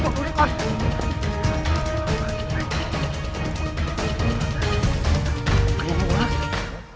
ไม่มีอะไรเลย